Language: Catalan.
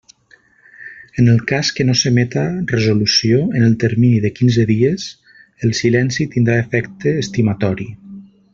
En el cas que no s'emeta resolució en el termini de quinze dies, el silenci tindrà efecte estimatori.